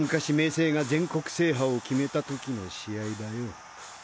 青が全国制覇を決めた時の試合だよ。